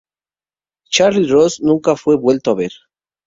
Charley Ross nunca fue vuelto a ver.